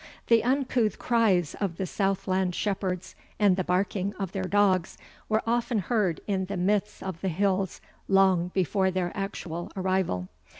The uncouth cries of the Southland shepherds, and the barking of their dogs, were often heard in the midst of the hills long before their actual arrival.